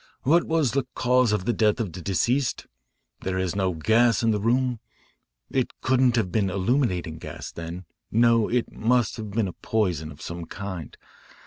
What was the cause of the death of the deceased? There is no gas in the room. It couldn't have been illuminating gas, then. No, it must have been a poison of some kind.